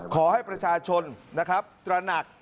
ขอให้ประชาชนนะครับตระหนัก